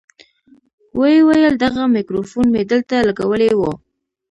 ويې ويل دغه ميکروفون مې دلته لګولى و.